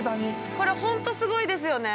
◆これ、本当、すごいですよね。